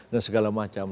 dan segala macam